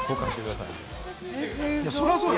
そりゃそうよ。